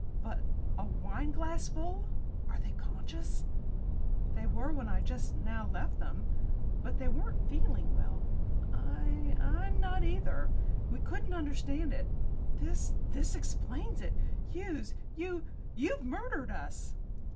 "But a wineglassful! Are they conscious?" "They were when I just now left them. But they weren't feeling well. I I'm not either. We couldn't understand it. This this explains it. Hughes, you you've murdered us!"